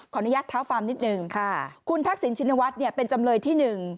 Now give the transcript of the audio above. ขออนุญาตเท้าฟังนิดหนึ่งค่ะคุณทักษิณชินวัฒน์เป็นจำเลยที่หนึ่ง